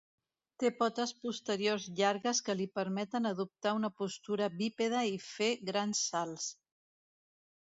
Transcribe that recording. Té potes posteriors llargues que li permeten adoptar una postura bípeda i fer grans salts.